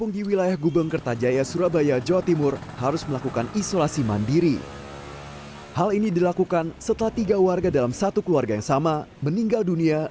di bung kerta jaya gang sembilan g bolok itu memang ada yang meninggal